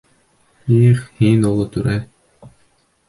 Их, һин оло түрә!